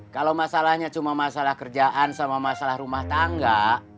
kalau masalahnya cuma masalah kerjaan sama masalah rumah tangga